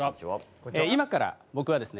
今から僕はですね